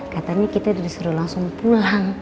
katanya kita disuruh langsung pulang